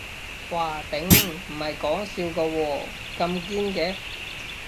嘩頂，唔係講笑㗎喎，咁堅嘅